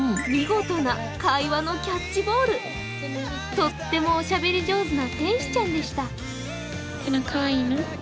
とってもおしゃべり上手な天使ちゃんでした。